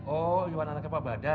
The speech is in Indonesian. oh iwan anaknya pak badar